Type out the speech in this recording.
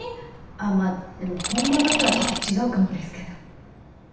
あっまあでも本場のとはちょっと違うかもですけど。